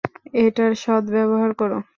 এটার সদব্যবহার কর।